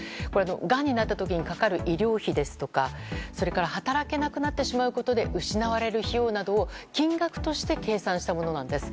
がんになった時にかかる医療費ですとか働けなくなってしまうことで失われる費用などを金額として計算したものなんです。